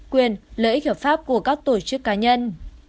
quyền lợi ích hợp pháp của các tổ chức cá nhân